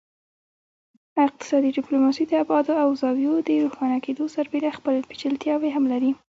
اقتصادي ډیپلوماسي د ابعادو او زاویو د روښانه کیدو سربیره خپل پیچلتیاوې هم لري